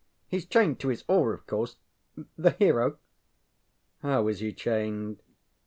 HeŌĆÖs chained to his oar of course the hero. ŌĆØ ŌĆ£How is he chained?